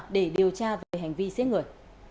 để điều tra về hành vi xếp người